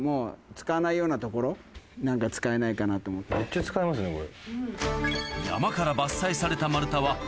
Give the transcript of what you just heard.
めっちゃ使えますねこれ。